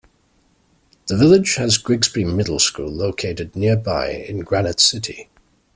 The village has Grigsby Middle School located nearby in Granite City.